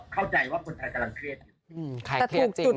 เข้าใจว่าคนไทยกำลังเครียด